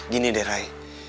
gini deh ray